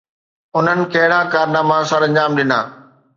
انهن ڪهڙا ڪارناما سرانجام ڏنا؟